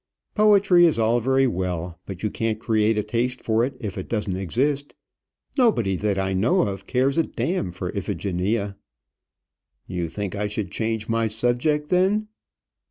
Poetry is all very well; but you can't create a taste for it if it doesn't exist. Nobody that I know of cares a d for Iphigenia." "You think I should change my subject, then?"